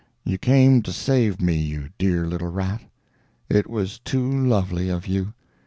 'You came to save me, you dear little rat? It was too lovely of you!